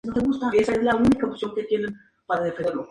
Children tocó en los tres días de festival.